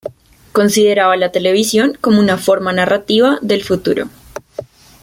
Consideraba la televisión como una forma narrativa del futuro.